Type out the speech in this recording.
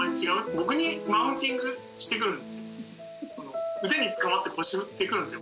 僕にマウンティングしてくるんですよ。